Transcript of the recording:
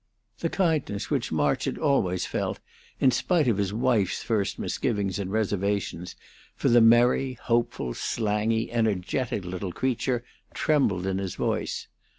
The kindness which March had always felt, in spite of his wife's first misgivings and reservations, for the merry, hopeful, slangy, energetic little creature trembled in his voice.